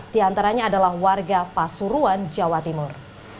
tiga belas diantaranya adalah warga pasuruan jawa timur